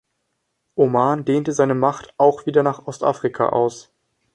Oman dehnte seine Macht auch wieder nach Ostafrika aus.